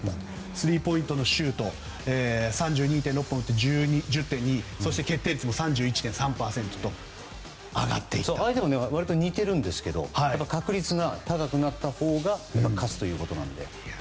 スリーポイントのシュート３２．６本打って１０．２で決定率も３１．３％と相手も割と似ているんですけど確率が高くなったほうが勝つということなので。